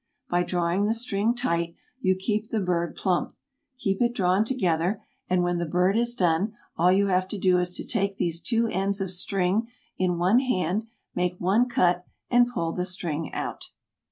By drawing the string tight, you keep the bird plump; keep it drawn together, and when the bird is done all you have to do is to take these two ends of string in one hand, make one cut and pull the string out.